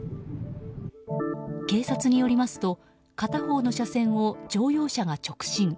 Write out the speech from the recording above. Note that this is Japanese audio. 警察によりますと片方の車線を乗用車が直進。